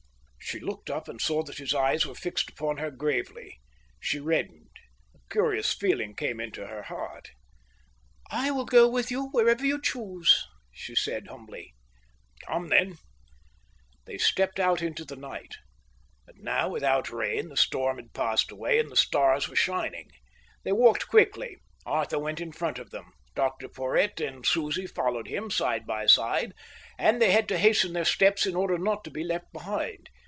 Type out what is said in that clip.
She looked up and saw that his eyes were fixed upon her gravely. She reddened. A curious feeling came into her heart. "I will go with you wherever you choose," she said humbly. "Come, then." They stepped out into the night. And now, without rain, the storm had passed away, and the stars were shining. They walked quickly. Arthur went in front of them. Dr Porhoët and Susie followed him, side by side, and they had to hasten their steps in order not to be left behind.